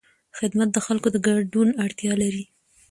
خدمت د خلکو د ګډون اړتیا لري.